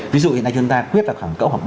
ví dụ hiện nay chúng ta quyết là khoảng